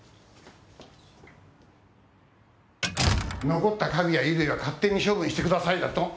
残った家具や衣類は勝手に処分してくださいだと。